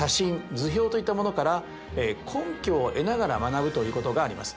図表といったものから根拠を得ながら学ぶということがあります。